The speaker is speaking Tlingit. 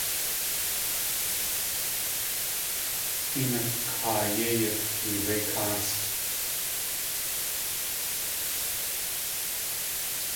Héen a káa yéi yatee wé káast.